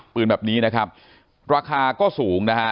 ปืนแบบนี้นะครับราคาก็สูงนะฮะ